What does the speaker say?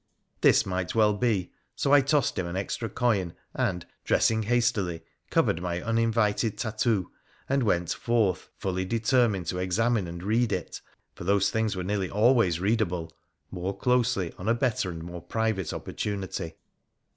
This might well be, so I tossed him an extra coin, and, dressing hastily, covered my uninvited tattoo and went forth, fully determined to examine and read it — for those things were nearly always readable — more closely on a better and more private oppor tunity.